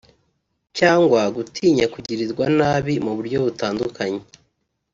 cyangwa gutinya kugirirwa nabi mu buryo butandukanye